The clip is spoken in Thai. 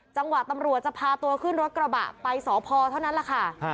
จังหวะตำรวจจะพาตัวขึ้นรถกระบะไปสพเท่านั้นแหละค่ะ